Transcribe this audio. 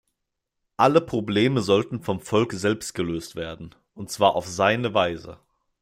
Alle Probleme sollten vom Volk selbst gelöst werden, und zwar auf seine Weise.